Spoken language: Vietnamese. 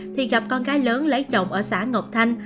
thì gặp con gái lớn lấy chồng ở xã ngọc thanh